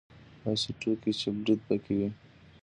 داسې ټوکې چې برید پکې وي.